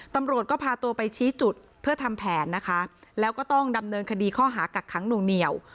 ตำรวจก็พาตัวไปชี้จุดเพื่อทำแผนนะคะแล้วก็ต้องดำเนินคดีข้อหากักขังหนูเหนียว